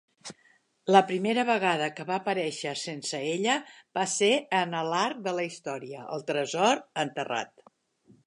La primera vegada que va aparèixer sense ella va ser en l'arc de la història, el tresor enterrat.